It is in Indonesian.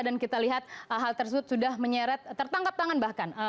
dan kita lihat hal tersebut sudah menyeret tertangkap tangan bahkan